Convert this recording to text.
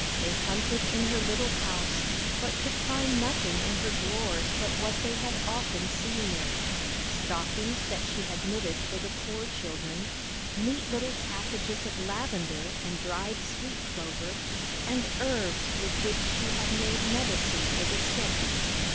They hunted in her little house, but could find nothing in her drawers but what they had often seen there, — stockings that she had knitted for the poor children, neat little packages of lavender and dried sweet clover, and herbs with which she had made medicine for the sick.